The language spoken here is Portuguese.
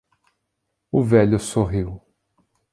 O velho sorriu.